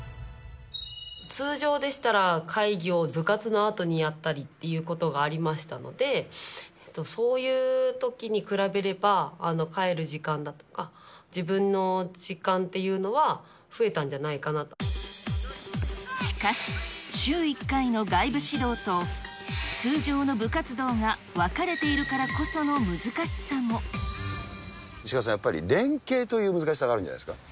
通常でしたら、会議を部活のあとにやったりっていうことがありましたので、そういうときに比べれば、帰る時間が早まったり、自分の時間っていうのは、増えたんじゃなしかし、週１回の外部指導と通常の部活動が分かれているからこその難しさ石川さん、やっぱり連携という難しさがあるんじゃないですか。